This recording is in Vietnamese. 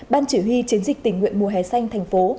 ban chỉ huy chiến dịch tình nguyện mùa hè xanh thành phố